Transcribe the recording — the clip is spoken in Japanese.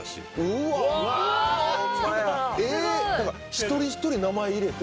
一人一人名前入れて。